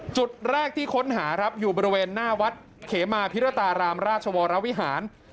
จุดแรกที่ค้นหาครับอยู่บริเวณหน้าวัดเขมาพิรตารามราชวรวิหาร